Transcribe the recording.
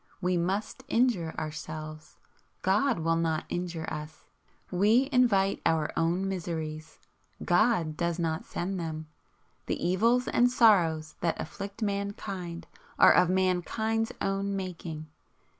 We must injure Ourselves. God will not injure us. We invite our own miseries. God does not send them. The evils and sorrows that afflict mankind are of mankind's own making.